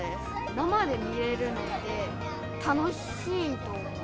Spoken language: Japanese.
生で見れるのって、楽しいと思う。